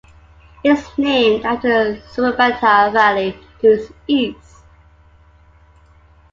It is named after the Stubaital valley to its east.